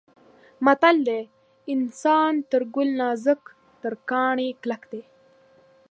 متل دی: انسان تر ګل نازک تر کاڼي کلک دی.